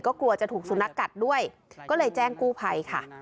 ก็กลัวจะถูกสุนัขกัดด้วยก็เลยแจ้งกู้ภัยค่ะ